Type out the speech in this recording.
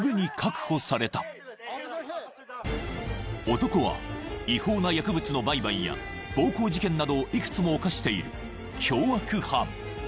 ［男は違法な薬物の売買や暴行事件などを幾つも犯している凶悪犯］